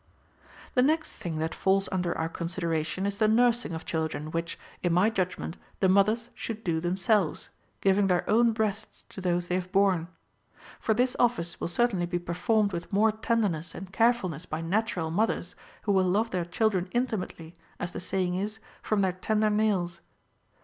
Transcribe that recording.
5. The next thing that falls under our consideration is the nursing of children, which, in my judgment, the mothers should do themselves, giving their own breasts to those they have borne. For this office will certainly be performed with more tenderness and carefulness by natu ral mothers, who will love their children intimately, as the saying is, from their tender nails.